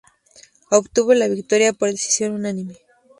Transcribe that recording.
Obtuvo la victoria por decisión unánime.